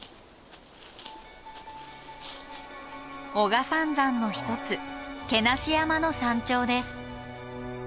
男鹿三山の一つ毛無山の山頂です。